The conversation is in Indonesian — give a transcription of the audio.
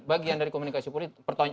bagian dari komunikasi politik